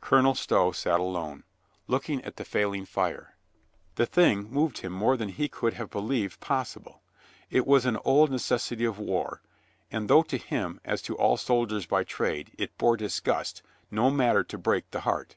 Colonel Stow sat alone, looking at the failing fire. The thing moved him more than he could have be lieved possible. It was an old necessity of war, and, though to him as to all soldiers by trade, it bore disgust, no matter to break the heart.